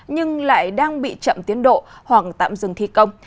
nhưng lại đang bị chậm tiến độ hoặc tạm dừng thi công